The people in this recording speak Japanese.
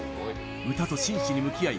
歌と真摯に向き合い